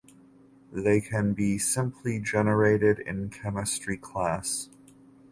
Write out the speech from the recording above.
They can be simply generated in chemistry class.